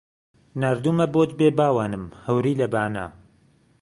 ناردوومە بۆت بێ باوانم هەوری لە بانە